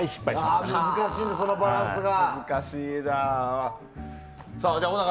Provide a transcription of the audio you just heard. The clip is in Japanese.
難しいね、そのバランスが。